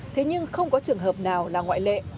thế nhưng không có trường hợp nào là ngoại lệ